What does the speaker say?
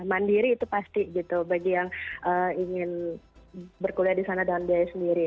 mandiri itu pasti gitu bagi yang ingin berkuliah di sana dalam biaya sendiri